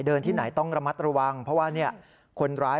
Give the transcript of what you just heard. ที่ไหนต้องระมัดระวังเพราะว่าคนร้าย